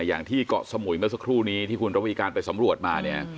อย่างที่เกาะสมุยเมื่อสักครู่นี้ที่คุณระวีการไปสำรวจมาเนี่ย